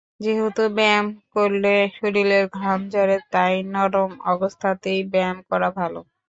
যেহেতু ব্যায়াম করলে শরীরের ঘাম ঝরে, তাই নরম আবহাওয়াতেই ব্যায়াম করা ভালো।